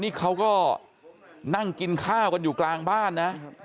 นี่เขาก็นั่งกินข้าวกันอยู่กลางบ้านนะ